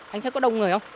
anh thấy có đông người không